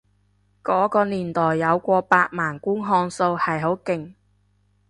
嗰個年代有過百萬觀看數係好勁